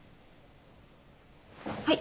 はい。